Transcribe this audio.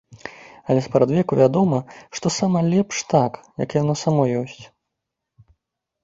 Але спрадвеку вядома, што сама лепш так, як яно само ёсць.